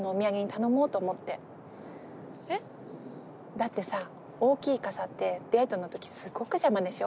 だってさ大きい傘ってデートのときすごく邪魔でしょ